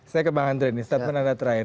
saya ke bang andre nih statement anda terakhir